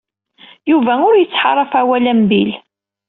Yuba ur yettḥaṛaf awal am Bill.